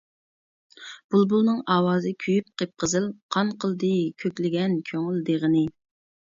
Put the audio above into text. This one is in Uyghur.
بۇلبۇلنىڭ ئاۋازى كۆيۈپ قىپقىزىل، قان قىلدى كۆكلىگەن كۆڭۈل دېغىنى.